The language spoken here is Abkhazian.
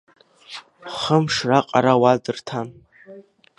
Хымш раҟара уа дырҭан.